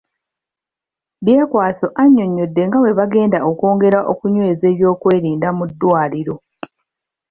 Byekwaso annyonnyodde nga bwe bagenda okwongera okunyweza ebyokwerinda mu ddwaliro.